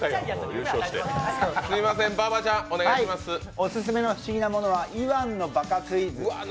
オススメの不思議なものは「言わんのバカクイズ」。